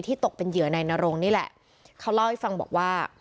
ตกเป็นเหยื่อนายนรงนี่แหละเขาเล่าให้ฟังบอกว่า